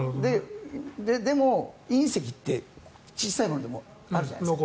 でも、隕石って小さいものでもあるじゃないですか。